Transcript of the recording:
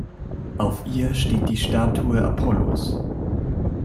Auf ihr steht die Statue Apollos.